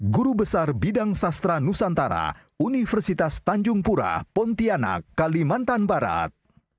guru besar bidang sastra nusantara universitas tanjung pura pontianak kalimantan barat